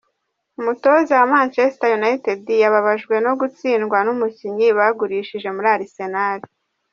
Umutoza wa Manchester United yababajwe no gutsindwa n’umukinnyi bagurishije muri Arsenal.